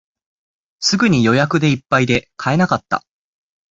すぐに予約でいっぱいで買えなかった